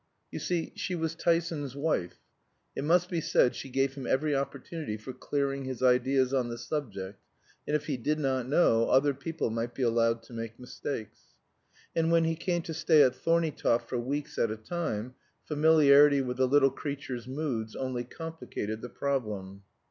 You see she was Tyson's wife. It must be said she gave him every opportunity for clearing his ideas on the subject, and if he did not know, other people might be allowed to make mistakes. And when he came to stay at Thorneytoft for weeks at a time, familiarity with the little creature's moods only complicated the problem.